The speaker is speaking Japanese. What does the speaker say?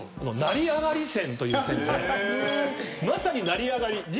成り上がり線という線でまさに成り上がり。